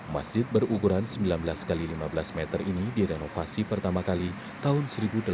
masjid berukuran sembilan belas x lima belas meter ini direnovasi pertama kali tahun seribu delapan ratus delapan puluh